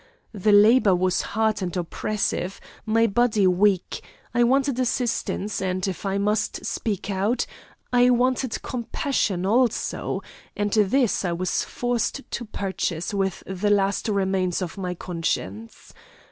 The labour was hard and oppressive, my body weak; I wanted assistance, and, if I must speak out, I wanted compassion also, and this I was forced to purchase with the last remains of my conscience.